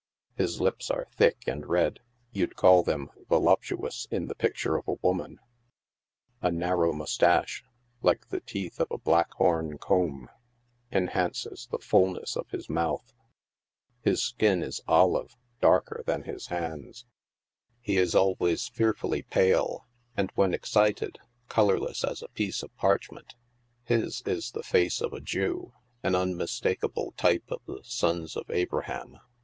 His lip3 are thick and red— you'd call them voluptuous in the picture of a woman — a nar row moustache, like the teeth of a black horn comb, enhances the fullness of his mouth. His skin is olive —darker than his hands ; 14 NIGHT SIDE OF NEW YORK. he is always fearftilly pale, and when excited, colorless as a piece of parchment. His is the face of a Jew — an unmistakable type of the sons of Abraham.